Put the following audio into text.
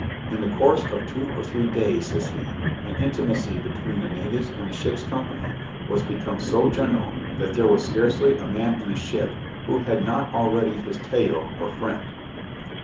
In the course of two or three days,' says he, 'an intimacy between the natives and the ship's company was become so general, that there was scarcely a man in the ship who had not already his tayo or friend.'